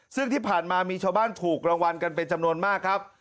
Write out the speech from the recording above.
ซึ่งที่ผ่านมามีชาวบ้านถูกรางวัลกันเป็นจำนวนมากครับ